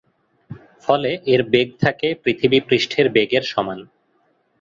ফলে এর বেগ থাকে পৃথিবী পৃষ্ঠের বেগের সমান।